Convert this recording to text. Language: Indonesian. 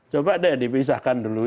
coba deh dipisahkan dulu